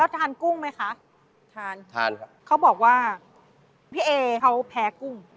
แล้วทานกุ้งไหมคะทานทานครับทาน